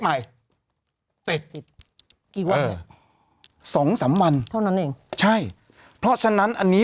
ใหม่เจ็ดสิบกี่วันเหรอสองสามวันเท่านั้นเองใช่เพราะฉะนั้นอันนี้